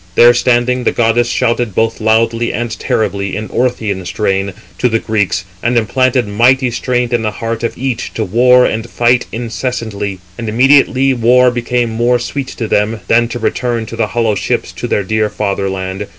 There standing, the goddess shouted both loudly and terribly, in Orthian strain, 360 to the Greeks, and implanted mighty strength in the heart of each, to war and fight incessantly. And immediately war became more sweet to them, than to return in the hollow ships to their dear fatherland.